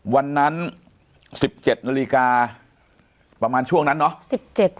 วันนั้น๑๗นาฬิกาประมาณช่วงนั้นเนาะ